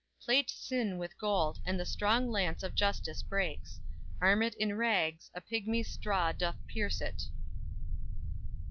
Plate sin with gold And the strong lance of justice breaks; Arm it in rags, a pigmy's straw doth pierce it!"